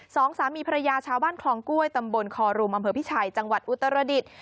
สองสามีภรรยาชาวบ้านคลองกล้วยตำบลคอรุมอำเภอพิชัยจังหวัดอุตรดิษฐ์